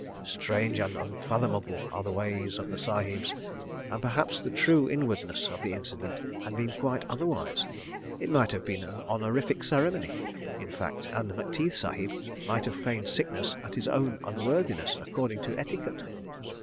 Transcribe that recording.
Strange and unfathomable are the ways of Sahibs, and perhaps the true inwardness of the incident had been quite otherwise? It might have been an honorific ceremony, in fact, and Macteith Sahib might have feigned sickness at his own unworthiness, according to etiquette?